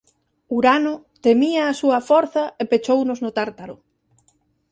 Urano temía a súa forza e pechounos no Tártaro.